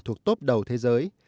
thuộc tốp đầu thế giới